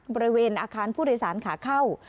บริเวณอาคารภูตรศาสน์ขาเข้า